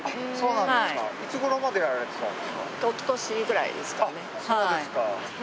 そうですか。